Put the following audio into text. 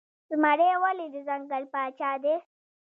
زمری ولې د ځنګل پاچا دی؟